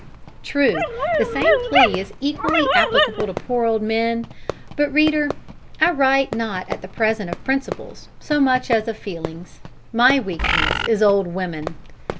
True, the same plea is equally applicable to poor old men, but, reader, I write not at present of principles so much as of feelings. My weakness is old women!